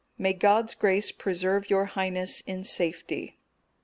May God's grace preserve your Highness in safety!"